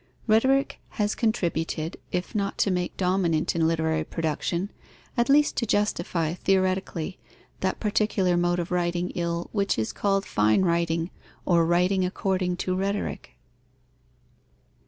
Rhetoric has contributed, if not to make dominant in literary production, at least to justify theoretically, that particular mode of writing ill which is called fine writing or writing according to rhetoric.